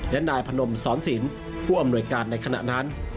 และนายพนมสอนศิลป์ผู้อำนวยการในขณะนั้น